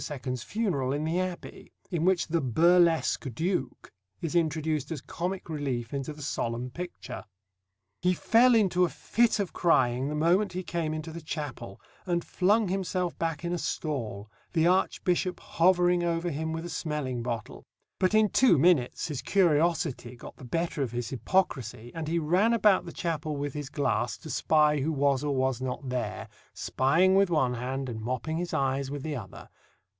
's funeral in the Abbey, in which the "burlesque Duke" is introduced as comic relief into the solemn picture: He fell into a fit of crying the moment he came into the chapel, and flung himself back in a stall, the Archbishop hovering over him with a smelling bottle; but in two minutes his curiosity got the better of his hypocrisy, and he ran about the chapel with his glass to spy who was or was not there, spying with one hand and mopping his eyes with the other.